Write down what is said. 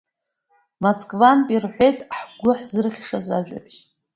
Москвантәи ирҳәеит ҳгәы ҳзырхьшаз ажәабжь…